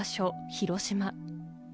・広島。